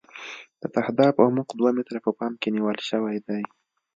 د تهداب عمق دوه متره په پام کې نیول شوی دی